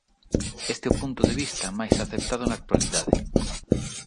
Este é o punto de vista máis aceptado na actualidade.